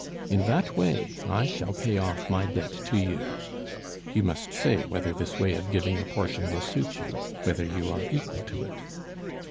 In that way I shall pay off my debt to you. You must say whether this way of giving a portion will suit you; whether you are equal to it."